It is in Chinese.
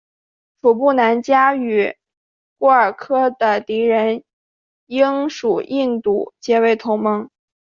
楚布南嘉与廓尔喀的敌人英属印度结为同盟。